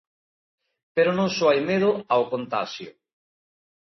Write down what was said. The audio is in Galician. Pero non só hai medo ao contaxio.